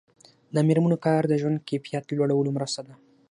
د میرمنو کار د ژوند کیفیت لوړولو مرسته ده.